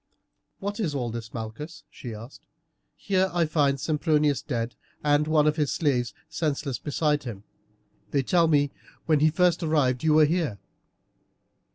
"What is all this, Malchus," she asked. "Here I find Sempronius dead and one of his slaves senseless beside him; they tell me when he first arrived you were here."